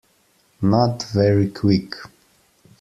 Not very quick.